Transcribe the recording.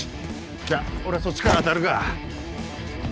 じゃあ俺はそっちから当たるか。